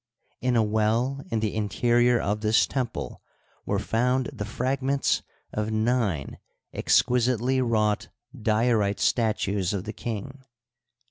In a well in the interior of this temple were found the fragments of nine exquisitely wrought diorite statues of the king.